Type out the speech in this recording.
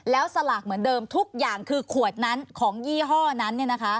แล้วสลากเหมือนเดิมทุกอย่างคือขวดนั้นของยี่ห้อนั้น